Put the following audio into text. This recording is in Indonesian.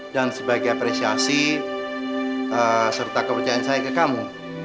dan sebagai apresiasi serta kepercayaan saya ke kamu